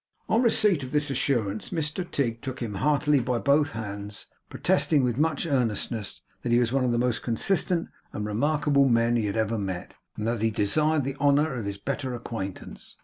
On receipt of this assurance, Mr Tigg shook him heartily by both hands, protesting with much earnestness, that he was one of the most consistent and remarkable men he had ever met, and that he desired the honour of his better acquaintance.